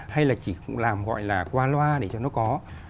hay là chỉ làm gọi là qua loa để cho nó có